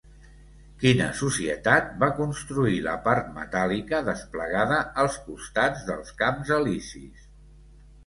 Quina societat va construir la part metàl·lica desplegada als costats dels Camps Elisis?